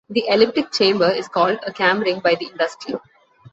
The elliptic chamber is called a 'cam ring' by the industry.